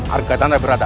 arga dana berada